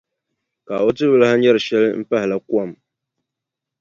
Ka o ti bi lahi nyari shɛli m-pahila kom.